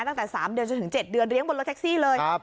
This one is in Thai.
ตั้งแต่๓เดือนจนถึง๗เดือนเลี้ยบนรถแท็กซี่เลย